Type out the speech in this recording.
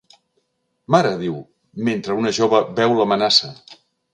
«Mare», diu, mentre una jove veu l'amenaça.